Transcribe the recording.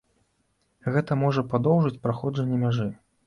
Гэта можа падоўжыць праходжанне мяжы.